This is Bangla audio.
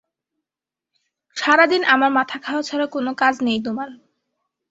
সারাদিন আমার মাথা খাওয়া ছাড়া কোনো কাজই নেই তোমার।